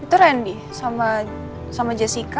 itu randy sama jessica